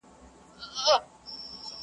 د جهاني زړګیه کله به ورځو ورپسي.!